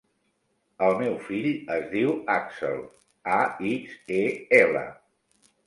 El meu fill es diu Axel: a, ics, e, ela.